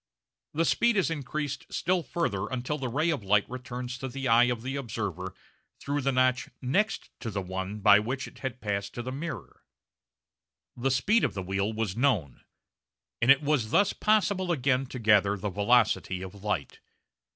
The speed is increased still further until the ray of light returns to the eye of the observer through the notch next to the one by which it had passed to the mirror! The speed of the wheel was known, and it was thus possible again to gather the velocity of light.